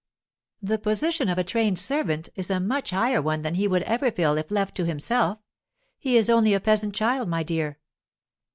'The position of a trained servant is a much higher one than he would ever fill if left to himself. He is only a peasant child, my dear.